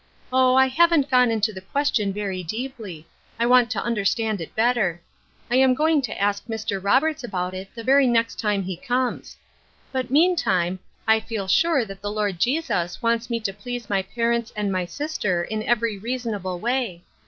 Oh, I haven'1 gone into the question very deeply ; I want to understand it better. I am going to ask Mr. Roberts about it the very next time he comes. But, meantime, I feel sure that the Lord Jesus wants me to please my parents and my sister in every reasonable way.